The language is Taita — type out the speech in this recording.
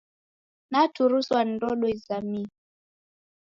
Naturuswa ni ndodo izamie.